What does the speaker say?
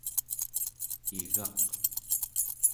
igaq